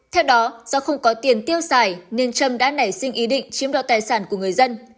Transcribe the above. theo đó do không có tiền tiêu xài nên trâm đã nảy sinh ý định chiếm đoạt tài sản của người dân